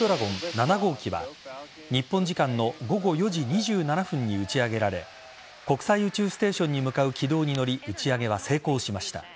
７号機は日本時間の午後４時２７分に打ち上げられ国際宇宙ステーションに向かう軌道に乗り打ち上げは成功しました。